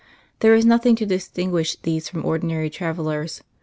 There was nothing to distinguish these from ordinary travellers.